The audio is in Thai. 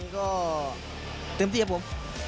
ก็เต็มที่ครับผม